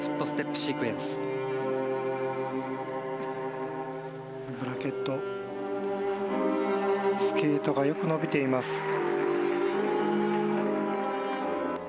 スケートがよく伸びています。